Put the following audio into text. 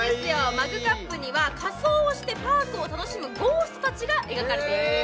マグカップには仮装をしてパークを楽しむゴーストたちが描かれているんです・